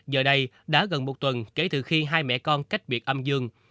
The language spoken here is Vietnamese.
giờ đây đã gần một tuần kể từ khi hai mẹ con cách biệt âm dương